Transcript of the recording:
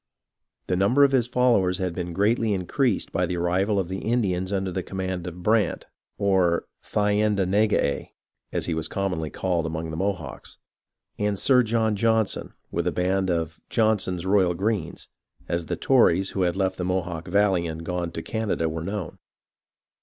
The number of his fol lowers had been greatly increased by the arrival of the Indians under the command of Brant, or Thayendanegea, as he was commonly called among the Mohawks, and Sir John Johnson with a band of "Johnson's Royal Greens," as the Tories who had left the Mohawk Valley and gone to Canada were known.